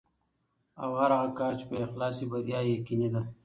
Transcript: او هر هغه کار چې په اخلاص وي، بریا یې یقیني ده.